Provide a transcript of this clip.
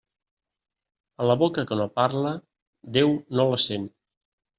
A la boca que no parla, Déu no la sent.